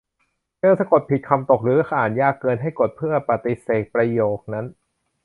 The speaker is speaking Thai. เจอสะกดผิด คำตก หรืออ่านยากเกิน ให้กด เพื่อปฏิเสธประโยคนั้น